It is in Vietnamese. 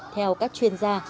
theo các chuyên gia